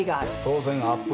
当然アップ